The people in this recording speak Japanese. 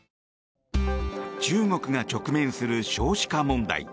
中国が直面する少子化問題。